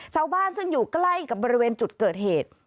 ชาวบ้านซึ่งอยู่ใกล้กับบริเวณจุดเกิดเหตุ